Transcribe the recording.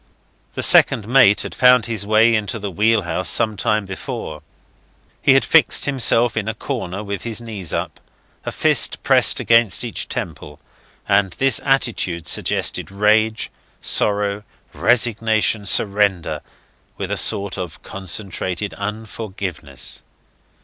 The second mate had found his way into the wheelhouse some time before. He had fixed himself in a corner with his knees up, a fist pressed against each temple; and this attitude suggested rage, sorrow, resignation, surrender, with a sort of concentrated unforgiveness.